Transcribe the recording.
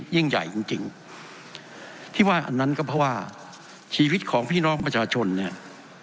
ยิ่งใหญ่จริงจริงที่ว่าอันนั้นก็เพราะว่าชีวิตของพี่น้องประชาชนเนี่ย